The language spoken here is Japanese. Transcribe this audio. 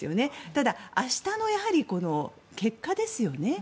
ただ、明日の結果ですよね。